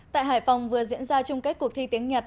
tại hải phòng vừa diễn ra chung kết cuộc thi tiếng nhật